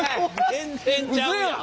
全然ちゃうやん！